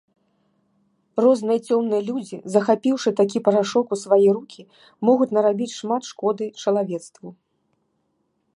Розныя цёмныя людзі, захапіўшы такі парашок у свае рукі, могуць нарабіць шмат шкоды чалавецтву.